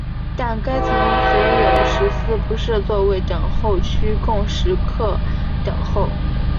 但该层所有食肆不设座位等候区供食客等候。